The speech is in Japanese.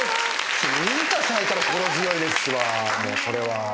水田さんいたら心強いですわもうそれは。